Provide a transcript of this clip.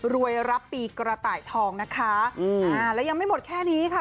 รับปีกระต่ายทองนะคะอืมอ่าแล้วยังไม่หมดแค่นี้ค่ะ